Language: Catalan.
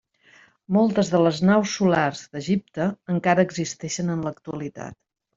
Moltes de les naus solars d'Egipte encara existeixen en l'actualitat.